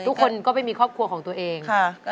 ทุกคนก็ไปมีครอบครัวของตัวเอง